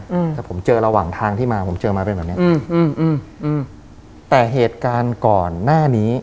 อืมแต่ผมเจอระหว่างทางที่มาผมเจอมาเป็นแบบเนี้ยอืมอืมอืมแต่เหตุการณ์ก่อนหน้านี้